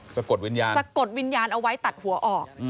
กดวิญญาณสะกดวิญญาณเอาไว้ตัดหัวออก